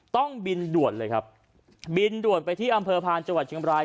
ต้องบินด่วนไปที่อำเภอภารณ์จังหวัดเชียงใหม่